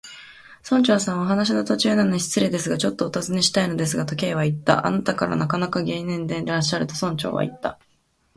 「村長さん、お話の途中なのに失礼ですが、ちょっとおたずねしたいのですが」と、Ｋ はいった。「あなたはなかなか厳密でいらっしゃる」と、村長はいった。